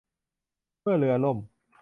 เมื่อเรือล่ม